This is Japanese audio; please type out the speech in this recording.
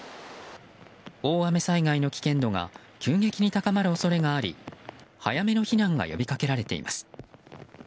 大雨災害の危険度が急激に高まる恐れがあり早めの避難が呼びかけられています。